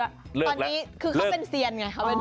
ตอนนี้คือเขาเป็นเซียนไง